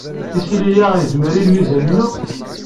Isili-a yezmer i lmizan-inu?